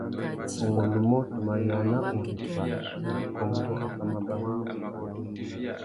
Ungôndumô, tu mà yāna ureffa nà kônkô affámabarú.